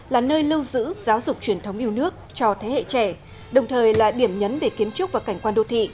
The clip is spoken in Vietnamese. là nơi lưu giữ giáo dục truyền thống yêu nước cho thế hệ trẻ đồng thời là điểm nhấn về kiến trúc và cảnh quan đô thị